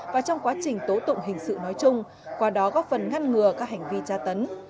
và trong quá trình tố tụng hình sự nói chung qua đó góp phần ngăn ngừa các hành vi tra tấn